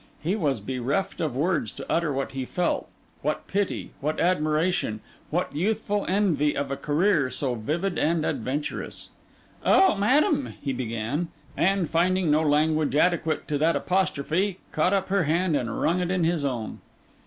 He was bereft of words to utter what he felt: what pity, what admiration, what youthful envy of a career so vivid and adventurous. 'O madam!' he began; and finding no language adequate to that apostrophe, caught up her hand and wrung it in his own.